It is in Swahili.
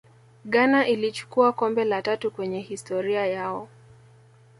ghana ilichukua kombe la tatu kwenye historia yao